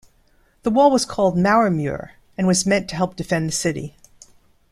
The wall was called Mauer-muur and was meant to help defend the city.